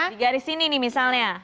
di garis ini nih misalnya